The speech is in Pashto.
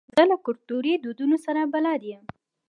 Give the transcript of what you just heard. زه له کلتوري دودونو سره بلد یم.